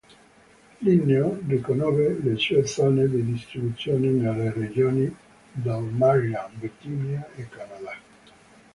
Linneo riconobbe le sue zone di distribuzione nelle regioni del Maryland, Virginia e Canada.